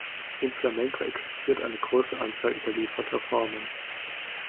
Im Flamenco existiert eine große Anzahl überlieferter Formen.